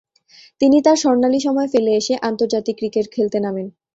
তিনি তার স্বর্ণালী সময় ফেলে এসে আন্তর্জাতিক ক্রিকেট খেলতে নামেন।